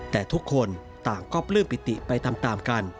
แต่ทุกคนต่างก็ปลื้มปิติไปตามกัน